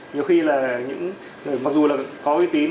nhiều khi là những người mặc dù là có uy tín